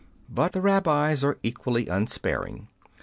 But the Rabbis are equally unsparing.